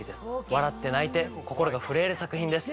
笑って泣いて、心が震える作品です。